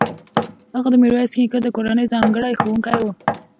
هغه د میرویس نیکه د کورنۍ ځانګړی ښوونکی و.